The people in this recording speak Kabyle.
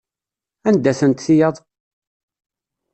Anda-tent tiyaḍ?